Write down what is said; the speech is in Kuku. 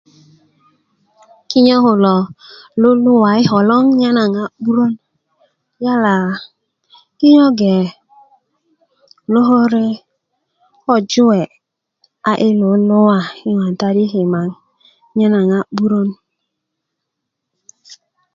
kinyo kulo luluwa yi koloŋ nye naŋ a 'burön yala kinyo ge lokore ko juwe a i luluwa yi ŋotat yi kimaŋ nye naŋ a 'burön